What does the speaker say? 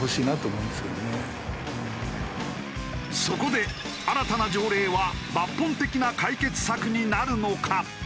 そこで新たな条例は抜本的な解決策になるのか？